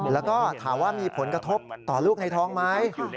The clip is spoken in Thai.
แล้วก็ถามว่ามีผลกระทบต่อลูกในท้องไหม